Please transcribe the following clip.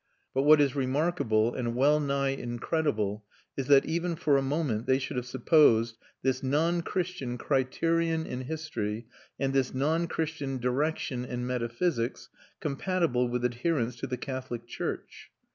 But what is remarkable and well nigh incredible is that even for a moment they should have supposed this non Christian criterion in history and this non Christian direction in metaphysics compatible with adherence to the Catholic church.